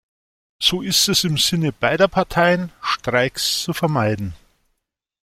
So ist es im Sinne beider Parteien, Streiks zu vermeiden.